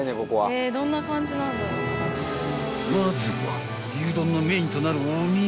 ［まずは牛丼のメインとなるお肉］